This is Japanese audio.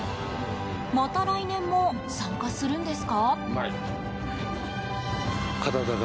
また来年も参加するんですか？